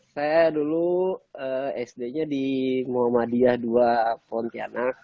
saya dulu sd nya di muhammadiyah ii pontianak